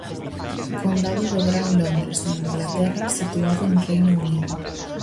Condado do Gran Londres, en Inglaterra, situado en Reino Unido.